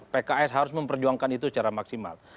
pks harus memperjuangkan itu secara maksimal